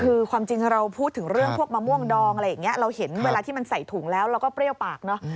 คือความจริงเราพูดถึงเรื่องพวกมะม่วงดองอะไรอย่างนี้เราเห็นเวลาที่มันใส่ถุงแล้วเราก็เปรี้ยวปากเนอะ